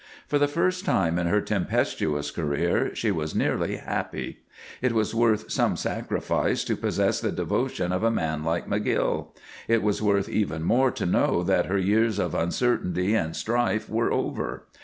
For the first time in her tempestuous career she was nearly happy. It was worth some sacrifice to possess the devotion of a man like McGill; it was worth even more to know that her years of uncertainty and strife were over.